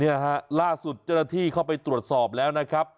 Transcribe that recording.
เนี่ยฮะล่าสุดเจ้าหน้าที่เข้าไปตรวจสอบแล้วนะครับ